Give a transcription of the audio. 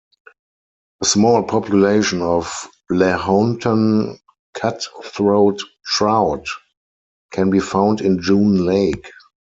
A small population of Lahontan cutthroat trout can be found in June Lake.